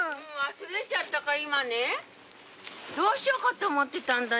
忘れちゃったから今ねどうしようかと思ってたんだよ。